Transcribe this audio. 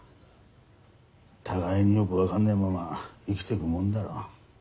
互いによく分かんねえまま生きてくもんだろ。